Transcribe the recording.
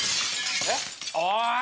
・・おい！